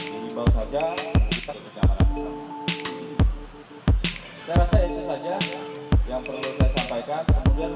hai ini baru saja kita kejamanan saya rasa itu saja yang perlu saya sampaikan kemudian